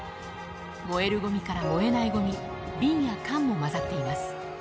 燃えるごみから燃えないごみ、瓶や缶も混ざっています。